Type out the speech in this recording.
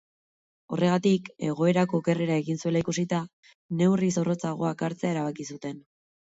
Horregatik, egoerak okerrera egin zuela ikusita, neurri zorrotzagoak hartzea erabaki zuten.